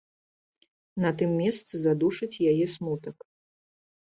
На тым месцы задушыць яе смутак.